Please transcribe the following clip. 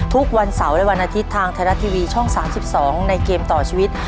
ทุกวันเสาร์และวันอาทิตย์ทางไทยรัฐทีวีช่อง๓๒ในเกมต่อชีวิต